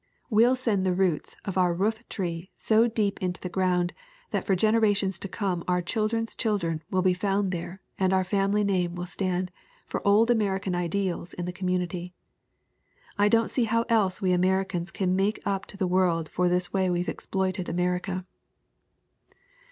We'll send the roots of our roof tree so deep into the ground that for generations to come our children's children will be found there and our fam ily name will stand for old American ideals in the community. I don't see how else we Americans can make up to the world for the way we've exploited America.'